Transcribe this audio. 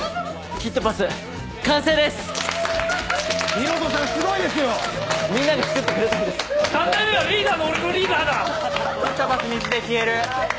キットパス水で消える。